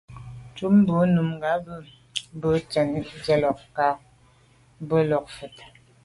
Tchúp bú nùngà mbə̄ mbà bú gə́ tɛ̀ɛ́n sə́’ láà’ ká bū làáp vút.